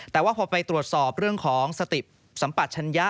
แต่ว่าพอไปตรวจสอบเรื่องของสติสัมปัชญะ